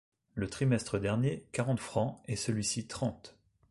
Le trimestre dernier, quarante francs, et celui-ci trente !